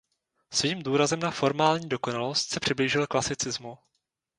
Svým důrazem na formální dokonalost se přiblížil klasicismu.